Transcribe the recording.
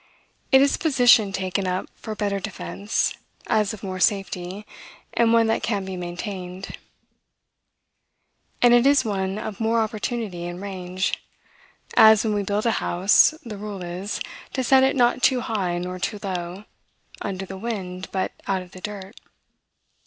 It is a position taken up for better defense, as of more safety, and one that can be maintained; and it is one of more opportunity and range; as, when we build a house, the rule is, to set it not too high nor too low, under the wind, but out of the dirt.